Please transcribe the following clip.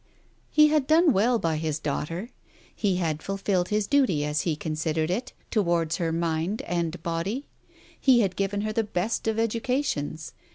He had done well by his daughter, he had fulfilled his duty as he considered it towards her mind and body. He had given her the best of educations.